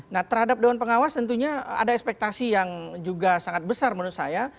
nah terhadap dewan pengawas tentunya ada ekspektasi yang juga sangat besar menurut saya